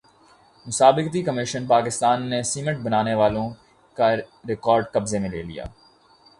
مسابقتی کمیشن پاکستان نے سیمنٹ بنانے والوں کا ریکارڈ قبضے میں لے لیا